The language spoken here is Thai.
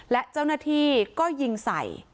และเจ้าหน้าที่ก็ยิงใส่